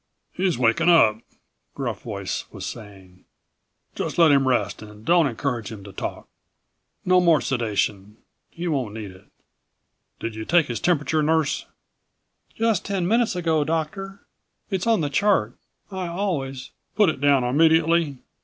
"He's waking up," Gruff Voice was saying. "Just let him rest and don't encourage him to talk. No more sedation he won't need it. Did you take his temperature, Nurse?" "Just ten minutes ago, Doctor. It's on the chart. I always " "Put it down immediately?